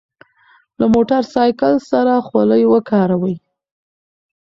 له موټر سایکل سره خولۍ وکاروئ.